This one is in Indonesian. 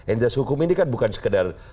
enjase hukum ini kan bukan sekedar